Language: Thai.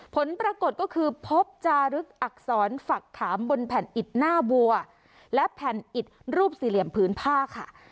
ผลปรากฏก็คือพบจารึกอักษรฝักขามบนแผ่นอิดหน้าบัวและแผ่นอิดรูปสี่เหลี่ยมพื้นผ้าค่ะ